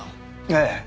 ええ。